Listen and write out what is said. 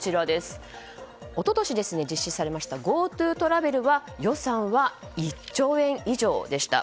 一昨年、実施されましたＧｏＴｏトラベルは予算は１兆円以上でした。